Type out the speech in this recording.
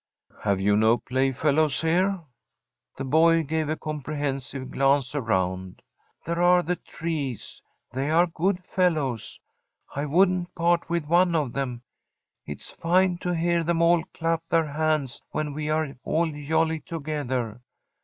'Have you no playfellows here?' The boy gave a comprehensive glance around. 'There are the trees; they are good fellows. I wouldn't part with one of them. It's fine to hear them all clap their hands when we are all jolly together.